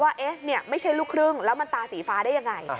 ว่าไม่ใช่ลูกครึ่งแล้วมันตาสีฟ้าได้ยังไง